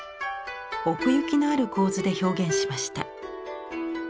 奥行きのある構図で表現しました。